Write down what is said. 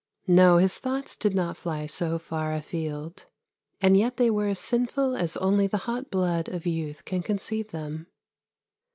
No, his thoughts did not fly so far a field, and yet they were as sinful as only the hot blood of youth can conceive them.